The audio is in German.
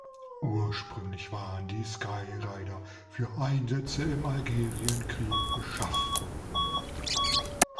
Ursprünglich waren die Skyraider für Einsätze im Algerienkrieg beschafft worden.